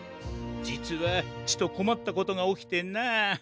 じつはちとこまったことがおきてな。